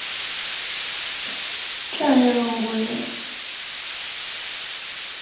转任吴令。